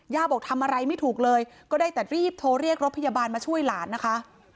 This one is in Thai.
บอกทำอะไรไม่ถูกเลยก็ได้แต่รีบโทรเรียกรถพยาบาลมาช่วยหลานนะคะ